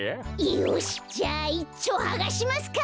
よしじゃいっちょはがしますか。